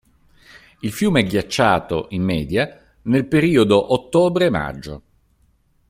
Il fiume è ghiacciato, in media, nel periodo ottobre-maggio.